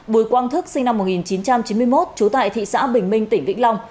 bùi quang thức sinh năm một nghìn chín trăm chín mươi một trú tại thị xã bình minh tỉnh vĩnh long